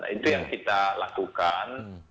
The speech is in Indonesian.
itu yang kita lakukan